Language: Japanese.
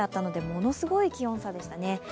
ものすごい気温差でしたね。